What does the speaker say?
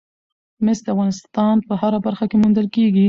مس د افغانستان په هره برخه کې موندل کېږي.